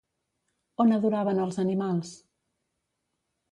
On adoraven als animals?